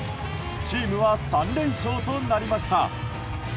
チームは３連勝となりました。